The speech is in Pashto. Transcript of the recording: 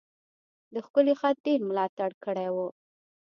د ښکلی خط ډیر ملاتړ کړی و.